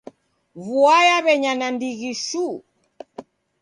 Vua yaw'enya nandighi shuu.